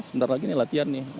sebentar lagi nih latihan nih